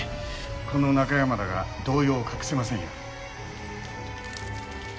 この中山田が動揺を隠せませんよ。